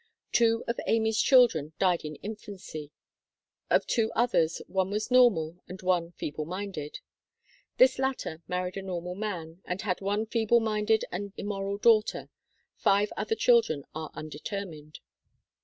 Two of Amy's children died in infancy. Of two others, one was normal and one feeble minded. This latter married a normal man and had one feeble minded and immoral daughter; five other children are undetermined.